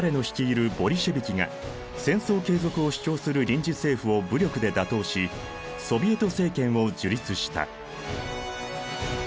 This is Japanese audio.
ボリシェヴィキが戦争継続を主張する臨時政府を武力で打倒しソヴィエト政権を樹立した。